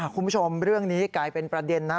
คุณผู้ชมเรื่องนี้กลายเป็นประเด็นนะ